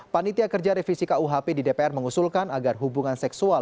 panitia kerja revisi kuhp di dpr mengusulkan agar hubungan seksual